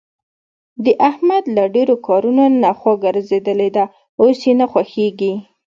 د احمد له ډېرو کارونو نه خوا ګرځېدلې ده. اوس یې نه خوښږېږي.